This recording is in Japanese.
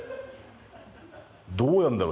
どうやるんだろ？